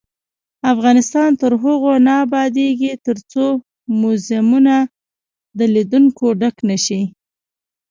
افغانستان تر هغو نه ابادیږي، ترڅو موزیمونه د لیدونکو ډک نشي.